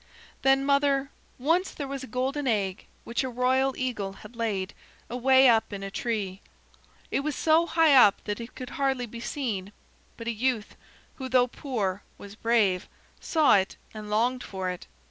"Then, mother, once there was a golden egg which a royal eagle had laid, away up in a tree. It was so high up that it could hardly be seen. But a youth, who though poor was brave, saw it, and longed for it.